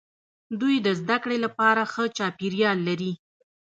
دوی د زده کړې لپاره ښه چاپیریال لري.